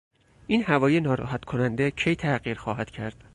این هوای ناراحت کننده کی تغییر خواهد کرد؟